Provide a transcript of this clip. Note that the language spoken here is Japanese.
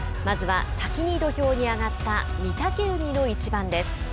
まずは、先に土俵に上がった御嶽海の一番です。